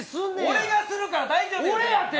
俺がするから大丈夫やて！